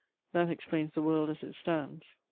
_ That explains the world as it stands.